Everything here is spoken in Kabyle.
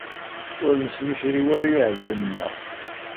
Ur nesmicriw ara i yiɛdawen-nneɣ.